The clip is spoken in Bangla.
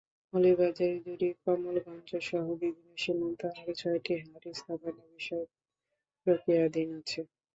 মৌলভীবাজারের জুড়ী, কমলগঞ্জসহ বিভিন্ন সীমান্তে আরও ছয়টি হাট স্থাপনের বিষয় প্রক্রিয়াধীন আছে।